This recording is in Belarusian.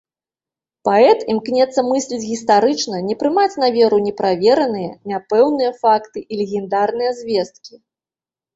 Паэт імкнецца мысліць гістарычна, не прымаць на веру неправераныя, няпэўныя факты і легендарныя звесткі.